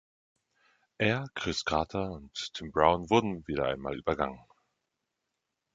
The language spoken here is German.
Er, Cris Carter und Tim Brown wurden wieder einmal übergangen.